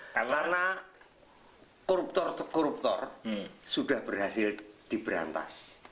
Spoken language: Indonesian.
karena koruptor koruptor sudah berhasil diberantas